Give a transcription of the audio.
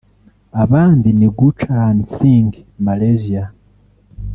Abandi ni Gurcharan Singh (Malaysia)